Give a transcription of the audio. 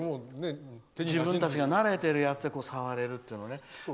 自分たちが慣れてるやつに触れるというね。